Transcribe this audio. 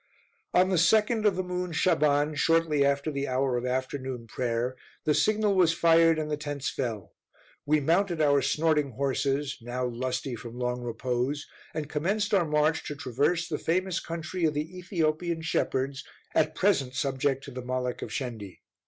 On the 2d of the moon Shaban, shortly after the hour of afternoon prayer, the signal was fired and the tents fell. We mounted our snorting horses, now lusty from long repose, and commenced our march to traverse the famous country of the Ethiopian shepherds, at present subject to the Malek of Shendi.